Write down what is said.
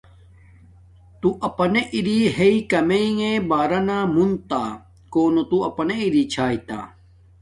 تے اپناݵ اری ھاݵ کامےنݣ بارانا مون تا کونو تو اپنے اری چھاݵ تہ